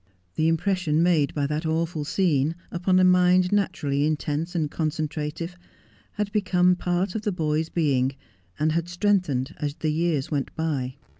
The impression 183 Just as I Am. made by that awful scene upon a mind naturally intense acd concentrative Lad become a part of the boy's being, and had strengthened as the years went by.